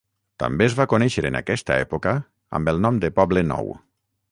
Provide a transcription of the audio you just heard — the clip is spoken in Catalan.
També es va conèixer en aquesta època amb el nom de Poble Nou.